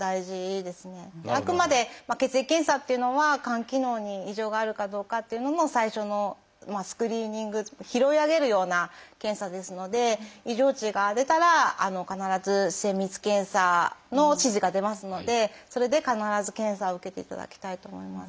あくまで血液検査というのは肝機能に異常があるかどうかというのの最初のスクリーニング拾い上げるような検査ですので異常値が出たら必ず精密検査の指示が出ますのでそれで必ず検査を受けていただきたいと思います。